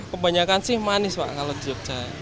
kebanyakan sih manis pak kalau di jogja